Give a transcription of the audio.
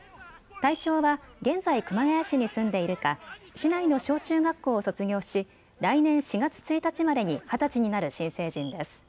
対象は現在熊谷市に住んでいるか市内の小中学校を卒業し来年４月１日までに二十歳になる新成人です。